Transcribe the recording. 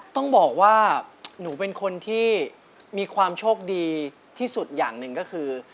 ต้องบอกว่าหนูเป็นคนที่มีความโชคดีที่สุดอย่างหนึ่งก็คือ